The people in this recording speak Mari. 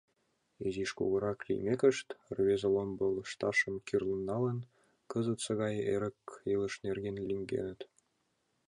Изиш кугурак лиймекышт, рвезе ломбо лышташым кӱрлын налын, кызытсе гай эрык илыш нерген лӱҥгеныт.